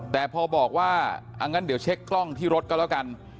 แต่พอบอกว่าอันนั้นเดี๋ยวเช็คกล้องที่รถก็แล้วกัน